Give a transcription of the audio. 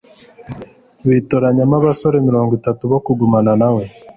bitoranyamo abasore mirongo itatu bo kugumana na we